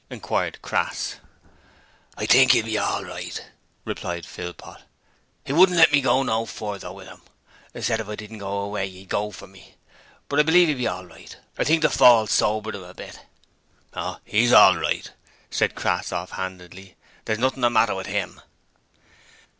inquired Crass. 'I think 'e'll be all right,' replied Philpot. 'He wouldn't let me go no further with 'im: said if I didn't go away, 'e'd go for me! But I believe 'e'll be all right. I think the fall sobered 'im a bit.' 'Oh, 'e's all right,' said Crass offhandedly. 'There's nothing the matter with 'im.'